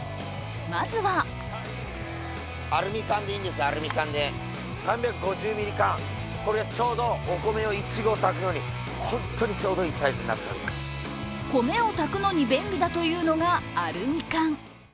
まずは米を炊くのに便利だというのがアルミ缶。